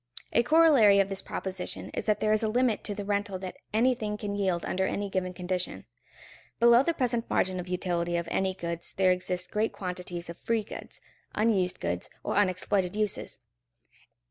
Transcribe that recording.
A corollary of this proposition is that there is a limit to the rental that anything can yield under any given condition. Below the present margin of utility of any goods there exist great quantities of free goods, unused goods, or unexploited uses.